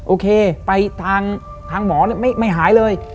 โอเคไปทางหมอไม่หายเลย